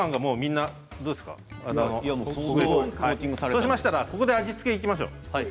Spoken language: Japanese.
そうしましたらここで味付けいきましょう。